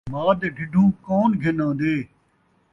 ماء دے ڈھڈھوں کون گھن آن٘دے